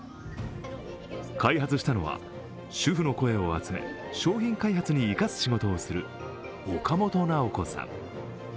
開発したのは、主婦の声を集め商品開発に生かす仕事をする岡本直子さん。